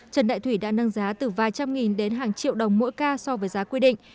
trần đại thủy đã nâng giá từ vài trăm nghìn đến hàng triệu đồng mỗi ca so với giá quy định